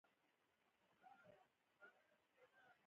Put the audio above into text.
ایا ستاسو ګمان به نیک وي؟